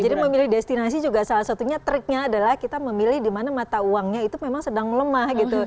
jadi memilih destinasi juga salah satunya triknya adalah kita memilih dimana mata uangnya itu memang sedang lemah gitu